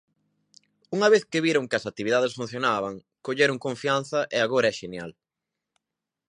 Unha vez que viron que as actividades funcionaban colleron confianza e agora é xenial.